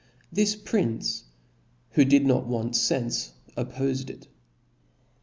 This prince, who did not want fenfe, op Book pofcd it.